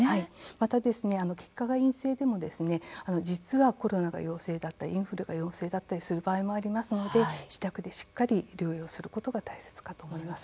また、結果が陰性でも実はコロナが陽性だったりインフルが陽性だったりする場合もありますので自宅でしっかり療養することが大切かと思います。